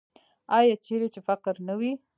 آیا چیرې چې فقر نه وي؟